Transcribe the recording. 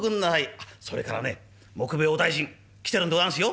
あっそれからね杢兵衛お大尽来てるんでございやすよ」。